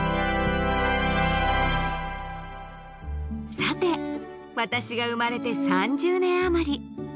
さて私が生まれて３０年余り。